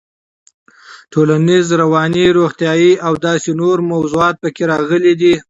ټولنيز, رواني, روغتيايي او داسې نورو موضوعات پکې راغلي دي.